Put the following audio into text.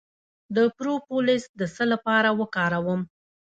د پروپولیس د څه لپاره وکاروم؟